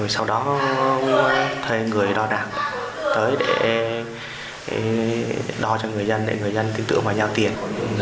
sau đó thuê người đo đạt tới để đo cho người dân để người dân tin tưởng và giao tiền